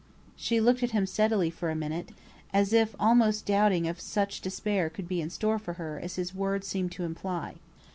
She looked at him steadily for a minute, as if almost doubting if such despair could be in store for her as his words seemed to imply.